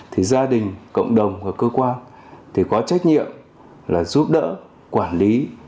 thì gia đình cộng đồng và cơ quan có trách nhiệm giúp đỡ quản lý